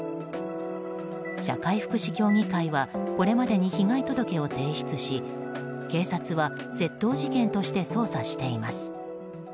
社会福祉協議会はこれまでに被害届を提出し警察は窃盗事件として捜査しています。